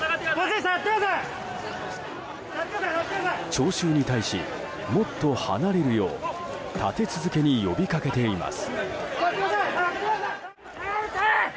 聴衆に対し、もっと離れるよう立て続けに呼びかけています。